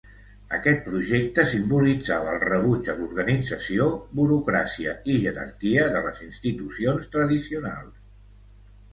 Aquest projecte simbolitzava el rebuig a l'organització, burocràcia i jerarquia de les institucions tradicionals.